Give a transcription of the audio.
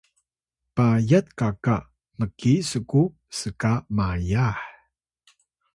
payat kaka mki sku s’ka mayah